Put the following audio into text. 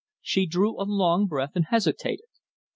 She drew a long breath and hesitated.